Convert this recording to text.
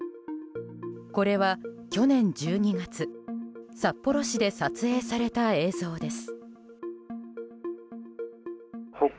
これは去年１２月札幌市で撮影された映像です。